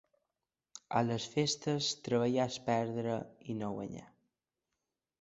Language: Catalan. A les festes treballar és perdre i no guanyar.